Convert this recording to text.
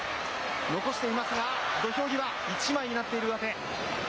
残していますが、土俵際、一枚になっている上手。